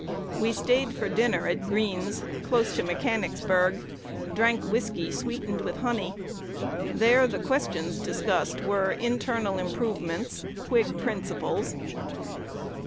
We staid for dinner at Green's, close to Mechanicsburg, drank whiskey sweetened with honey. There the questions discussed were internal improvements, Whig principles."